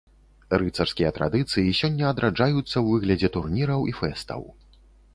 Рыцарскія традыцыі сёння адраджаюцца ў выглядзе турніраў і фэстаў.